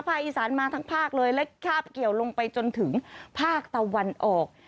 อีสานมาทั้งภาคเลยและคาบเกี่ยวลงไปจนถึงภาคตะวันออก